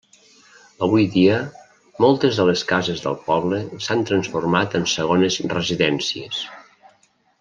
Avui dia moltes de les cases del poble s'han transformat en segones residències.